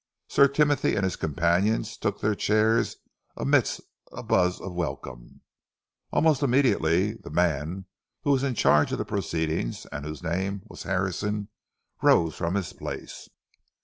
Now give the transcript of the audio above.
Sir Timothy and his companions took their chairs amidst a buzz of welcome. Almost immediately, the man who was in charge of the proceedings, and whose name was Harrison, rose from his place.